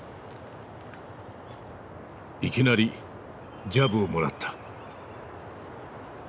いきなりジャブをもらった。